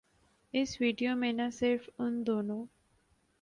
اس video میں نہ صرف ان دونوں